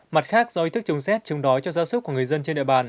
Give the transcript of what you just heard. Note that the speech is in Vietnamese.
mặt khác do ý thức chống xét chống đói cho da súc